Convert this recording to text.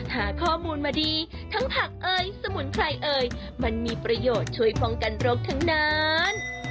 หาข้อมูลมาดีทั้งผักเอยสมุนไพรเอ่ยมันมีประโยชน์ช่วยป้องกันโรคทั้งนั้น